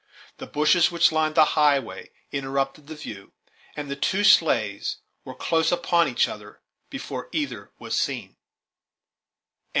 The bushes which lined the highway interrupted the view, and the two sleighs were close upon each other before either was seen.